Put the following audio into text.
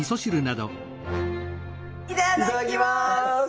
いただきます！